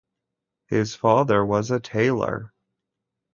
His father was a tailor.